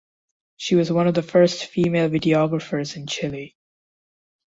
She was one of the first female videographers in Chile.